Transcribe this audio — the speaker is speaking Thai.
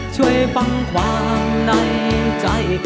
ช่วยฟังความในใจ